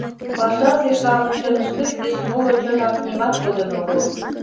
Пашазе-шамычын штык деч моло чынак нимоат кодын огыл.